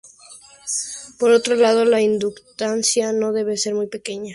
Por otro lado, la inductancia no debe ser muy pequeña.